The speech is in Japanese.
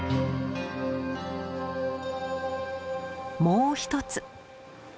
もう一つ。